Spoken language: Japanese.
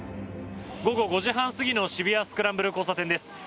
午後５時半過ぎの渋谷・スクランブル交差点です。